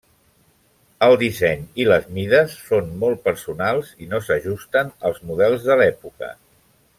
El disseny i les mides són molt personals i no s'ajusten als models de l'època.